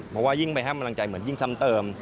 เพราะยิ่งไม่ให้กำลังใจยิ่งซ้ำเติม